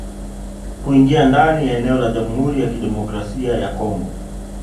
Kuingia ndani ya eneo la Jamhuri ya Kidemokrasia ya Kongo